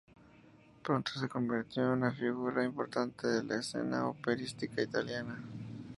Pronto se convirtió en una figura importante de la escena operística italiana.